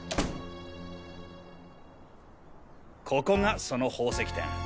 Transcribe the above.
ここがその宝石店。